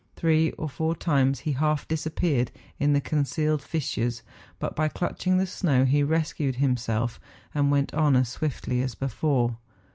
Three or four times he half disappeared in the concealed fissures, but by clutching the snow he rescued himself and went on as swiftly as before.